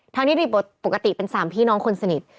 ที่ปกติเป็นสามพี่น้องคนสนิท